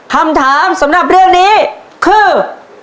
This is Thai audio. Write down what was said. คำถามสำหรับเรื่องนี้คือ